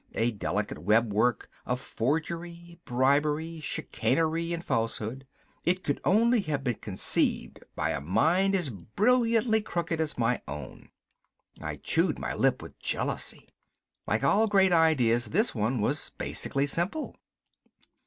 A delicate webwork of forgery, bribery, chicanery and falsehood. It could only have been conceived by a mind as brilliantly crooked as my own. I chewed my lip with jealousy. Like all great ideas, this one was basically simple.